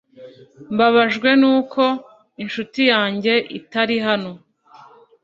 Mbabajwe nuko inshuti yanjye itari hano.